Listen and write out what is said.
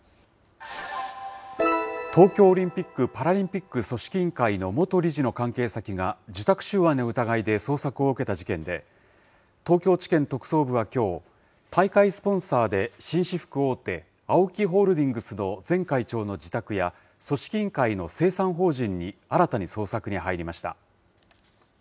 東京オリンピック・パラリンピック組織委員会の元理事の関係先が、受託収賄の疑いで捜索を受けた事件で、東京地検特捜部はきょう、大会スポンサーで紳士服大手、ＡＯＫＩホールディングスの前会長の自宅や、組織委員会の清算法人に新たに捜索に入りました。